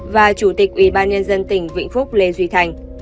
và chủ tịch ủy ban nhân dân tỉnh vĩnh phúc lê duy thành